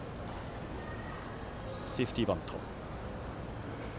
セーフティーバント。